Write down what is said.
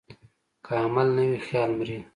که عمل نه وي، خیال مري.